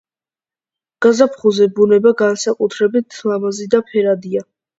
გაზაფხულზე ბუნება განსაკუთრებით ლამაზი და ფერადია.